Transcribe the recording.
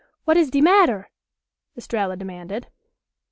Wat is de matter?" Estralla demanded.